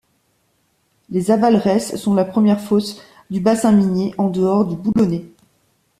Les avaleresses sont la première fosse du bassin minier, en dehors du Boulonnais.